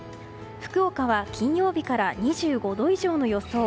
福岡は金曜日から２５度以上の予想。